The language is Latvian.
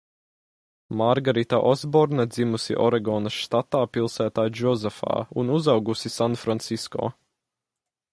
Mārgarita Osborna dzimusi Oregonas štatā pilsētā Džozefā, un uzaugusi Sanfrancisko.